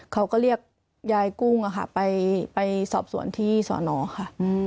เขาก็เรียกยายกุ้งไปสอบสวนที่สอนอค่ะ